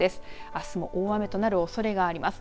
あすも大雨となるおそれがあります。